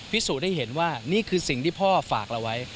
พิสูจน์ให้เห็นว่านี่คือสิ่งที่พ่อฝากเราไว้